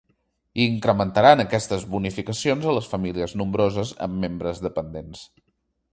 I incrementaran aquestes bonificacions a les famílies nombroses amb membres dependents.